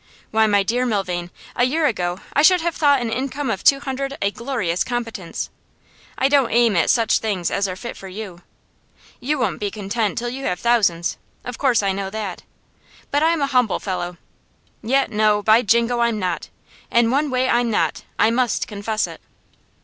Why, my dear Milvain, a year ago I should have thought an income of two hundred a glorious competence. I don't aim at such things as are fit for you. You won't be content till you have thousands; of course I know that. But I'm a humble fellow. Yet no; by Jingo, I'm not! In one way I'm not I must confess it.